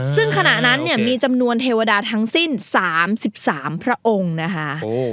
ซึ่งขณะนั้นเนี่ยมีจำนวนเทวดาทั้งสิ้น๓๓พระองค์นะคะ